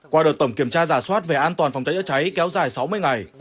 qua đợt tổng kiểm tra giả soát về an toàn phòng cháy chữa cháy kéo dài sáu mươi ngày